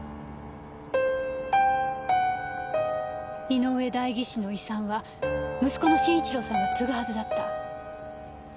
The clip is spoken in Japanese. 井上代議士の遺産は息子の晋一郎さんが継ぐはずだった。